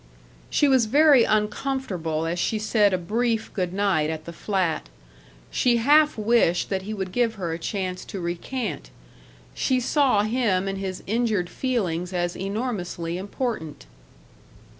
She was very uncomfortable as she said a brief good night at the flat. She half wished that he would give her a chance to recant. She saw him and his injured feelings as enormously important.